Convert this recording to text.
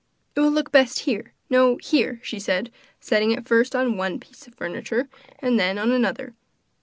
'It will look best here no, here,' she said, setting it first on one piece of furniture and then on another.